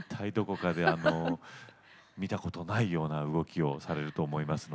見たことないような動きもされると思います。